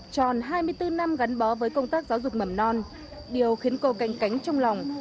tròn hai mươi bốn năm gắn bó với công tác giáo dục mầm non điều khiến cô canh cánh trong lòng